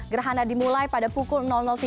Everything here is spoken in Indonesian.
gerhana dimulai pada pukul tiga